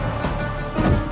aku mau ke kanjeng itu